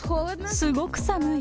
すごく寒い。